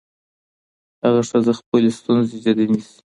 هغه ښځه خپلې ستونزې جدي نيسي.